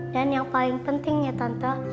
dan yang paling pentingnya tante